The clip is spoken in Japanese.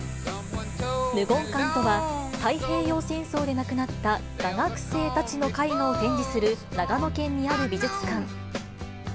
無言館とは、太平洋戦争で亡くなった画学生たちの絵画を展示する長野県にある美術館。